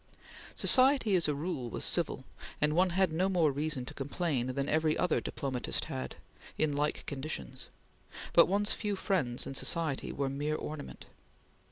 Society as a rule was civil, and one had no more reason to complain than every other diplomatist has had, in like conditions, but one's few friends in society were mere ornament.